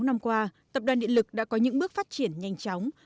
sáu mươi sáu năm qua tập đoàn điện lực đã có những bước phát triển nhanh chóng